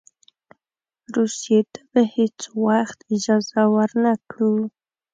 روسیې ته به هېڅ وخت اجازه ورنه کړو.